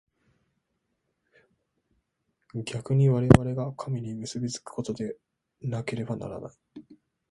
逆に我々が神に結び附くことでなければならない。